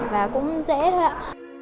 và cũng dễ thôi